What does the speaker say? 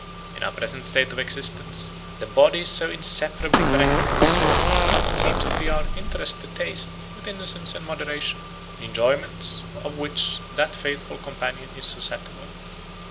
In our present state of existence the body is so inseparably connected with the soul, that it seems to be our interest to taste, with innocence and moderation, the enjoyments of which that faithful companion is susceptible.